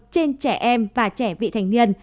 trên trẻ em và trẻ vị thành niên